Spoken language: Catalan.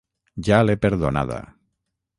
Ja l'he perdonada.